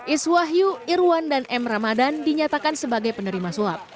iswahyu irwan dan m ramadan dinyatakan sebagai penerima suap